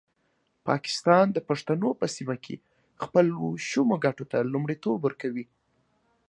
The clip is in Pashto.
پاکستان د پښتنو په سیمه کې خپلو شومو ګټو ته لومړیتوب ورکوي.